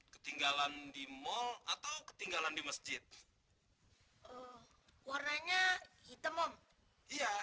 ketinggalan di mall atau ketinggalan di masjid warnanya hitam om iya